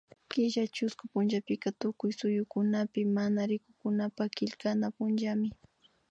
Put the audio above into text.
Kulla tiushku punllapika Tukuy suyukunapi mana rikunkunapak killkana punllami